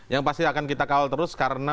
yang pasti akan kita kawal terus karena